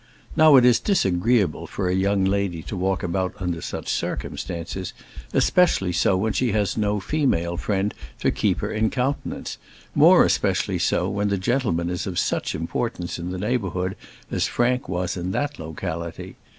Now it is disagreeable for a young lady to walk about under such circumstances, especially so when she has no female friend to keep her in countenance, more especially so when the gentleman is of such importance in the neighbourhood as Frank was in that locality.